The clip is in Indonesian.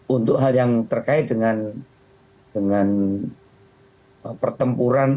untuk hal yang terkait dengan pertempuran